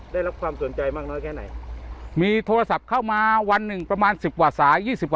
ได้รับความสนใจมากน้อยแค่ไหนมีโทรศัพท์เข้ามาวันหนึ่งประมาณ๑๐กว่าสาย๒๐